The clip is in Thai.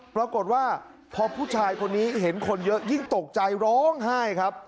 ปรากฏว่าพอผู้ชายคนนี้เห็นคนเยอะยิ่งตกใจร้องไห้ครับ